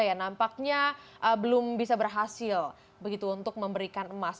yang nampaknya belum bisa berhasil begitu untuk memberikan emas